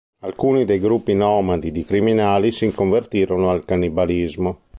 Alcuni dei gruppi nomadi di criminali si convertirono al cannibalismo.